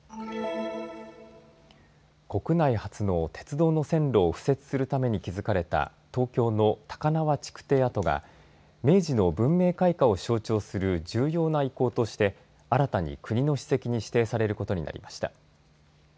国内初の鉄道の線路を敷設するために築かれた東京の高輪築堤跡が明治の文明開化を象徴する重要な遺構として新たに国の史跡に指定されることになりました。